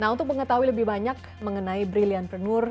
nah untuk mengetahui lebih banyak mengenai brilliantpreneur